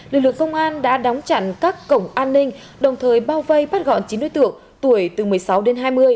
lực lượng công an đã đóng chặn các cổng an ninh đồng thời bao vây bắt gọn chín đối tượng tuổi từ một mươi sáu đến hai mươi